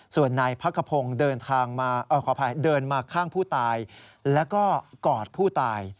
ส่วนนายพักกระพงเดินทางมาข้างผู้ตายและกอดผู้ตาย